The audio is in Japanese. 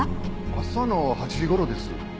朝の８時頃です。